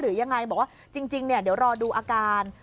บอกว่าจริงเนี่ยเดี๋ยวรอดูอาการ